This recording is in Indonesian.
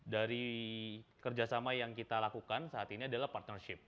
dari kerjasama yang kita lakukan saat ini adalah partnership